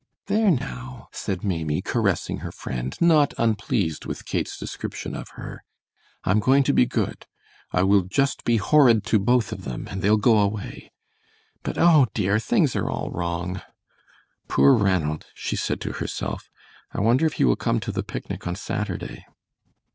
"There, now," said Maimie, caressing her friend, not unpleased with Kate's description of her; "I'm going to be good. I will just be horrid to both of them, and they'll go away! But, oh, dear, things are all wrong! Poor Ranald," she said to herself, "I wonder if he will come to the picnic on Saturday?"